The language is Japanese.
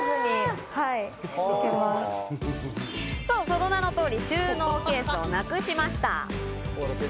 その名の通り、収納ケースをなくしました。